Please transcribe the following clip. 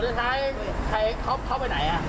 แล้วหมดท้ายเขาไปไหน